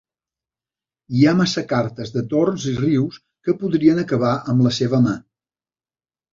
Hi ha massa cartes de torns i rius que podrien acabar amb la seva mà.